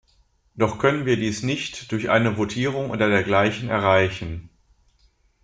Doch können wir dies nicht durch eine Votierung oder dergleichen erreichen.